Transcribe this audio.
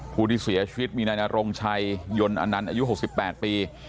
ผู้ที่เสียชีวิตมีนาฬงชัยยนต์อนันตร์อายุหกสิบแปดปี